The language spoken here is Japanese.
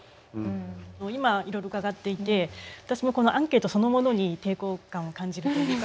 今いろいろ伺っていて私もこのアンケートそのものに抵抗感を感じるというか。